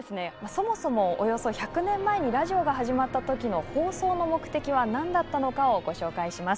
そもそもおよそ１００年前にラジオが始まった時の放送の目的は何だったのかをご紹介します。